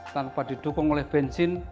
tanpa didukung oleh bensin